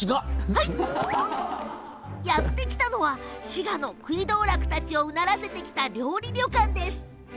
やって来たのは滋賀の食い道楽たちをうならせてきた料理旅館。